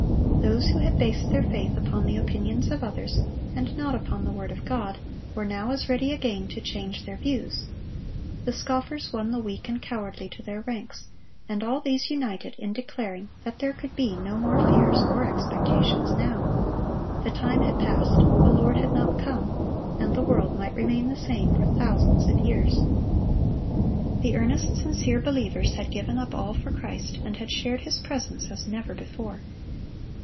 Those who had based their faith upon the opinions of others, and not upon the word of God, were now as ready again to change their views. The scoffers won the weak and cowardly to their ranks, and all these united in declaring that there could be no more fears or expectations now. The time had passed, the Lord had not come, and the world might remain the same for thousands of years. The earnest, sincere believers had given up all for Christ, and had shared His presence as never before.